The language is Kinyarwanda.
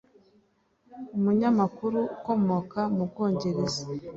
umunyamakuru ukomoka mu bwongereza